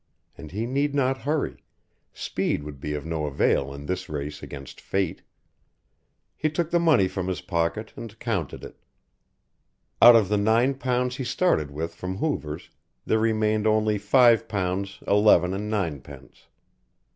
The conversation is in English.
And he need not hurry, speed would be of no avail in this race against Fate. He took the money from his pocket and counted it. Out of the nine pounds he started with from Hoover's there remained only five pounds eleven and ninepence.